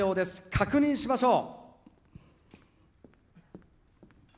確認しましょう。